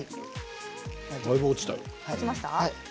だいぶ落ちたよ。